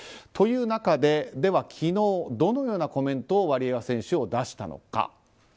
という中で、では昨日どのようなコメントをワリエワ選手は出したのか。